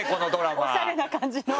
おしゃれな感じの。